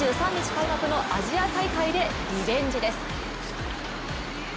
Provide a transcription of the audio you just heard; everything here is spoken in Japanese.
開幕のアジア大会でリベンジです。